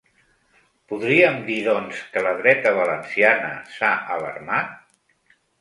Podríem dir, doncs, que la dreta valenciana s’ha alarmat?